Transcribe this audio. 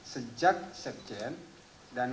sejak sekjen dan